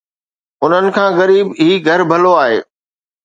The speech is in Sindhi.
انهن کان غريب جي گهر ڀلو آهي